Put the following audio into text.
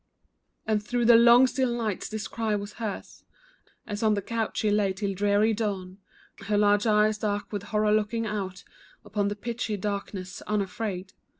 And through the long, still nights this cry was hers, As on her couch she lay till dreary dawn, Her large eyes dark with horror looking out Upon the pitchy darkness unafraid.